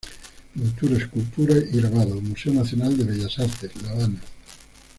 Pintura, escultura y grabado, Museo Nacional de Bellas Artes, La Habana.